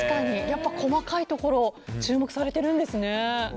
やっぱり細かいところに注目されてるんですね。